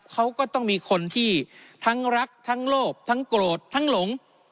เขาก็ต้องมีคนที่ทั้งรักทั้งโลภทั้งโกรธทั้งหลง